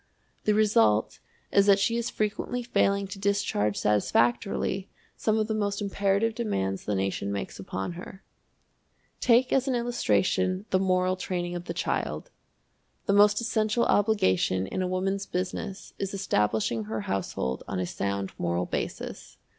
The result is that she is frequently failing to discharge satisfactorily some of the most imperative demands the nation makes upon her. Take as an illustration the moral training of the child. The most essential obligation in a Woman's Business is establishing her household on a sound moral basis.